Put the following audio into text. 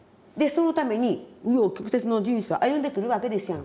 そのために紆余曲折の人生を歩んでくるわけですやんか。